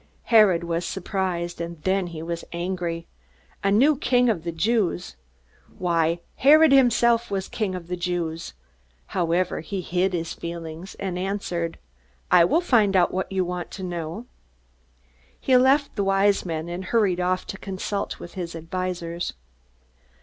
Herod was surprised, and then he was angry. A new king of the Jews? Why, Herod himself was the king of the Jews! However, he hid his feelings, and answered, "I will find out what you want to know." He left the Wise Men, and hurried off to consult with his advisers.